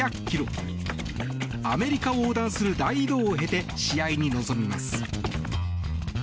アメリカを横断する大移動を経て試合に臨みます。